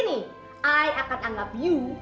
anda mau menolak juga tidak apa apa